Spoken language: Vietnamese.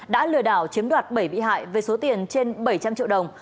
đã lừa đảo chiếm đoạt bảy bị hại với số tiền trên bảy trăm linh triệu đồng